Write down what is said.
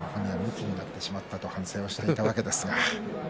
本人はムキになってしまったと反省をしていたわけですが。